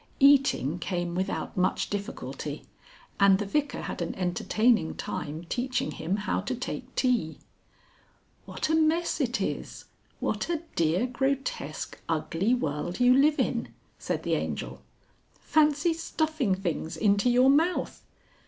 Eating came without much difficulty, and the Vicar had an entertaining time teaching him how to take tea. "What a mess it is! What a dear grotesque ugly world you live in!" said the Angel. "Fancy stuffing things into your mouth!